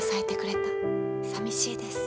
さみしいです。